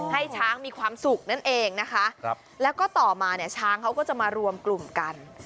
ให้ช้างมีความสุขนั่นเองนะคะแล้วก็ต่อมาเนี่ยช้างเขาก็จะมารวมกลุ่มกัน